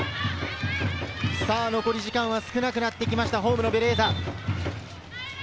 残り時間は少なくなってきました、ホームのベレーザ。